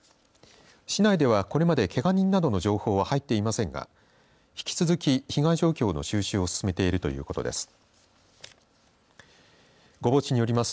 市内では、これまでけが人などの情報は入っていませんが引き続き、被害状況の収集を進めているということです。